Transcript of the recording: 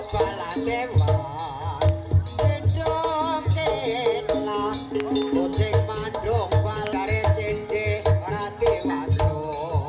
bidung cina kucing mandung bala recinci rati masu